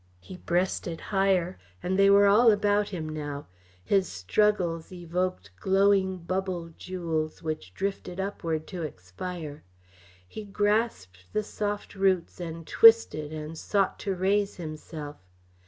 He breasted higher, and they were all about him now; his struggles evoked glowing bubble jewels which drifted upward to expire. He grasped the soft roots and twisted and sought to raise himself.